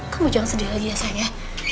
kamu jangan sedih lagi ya sayang ya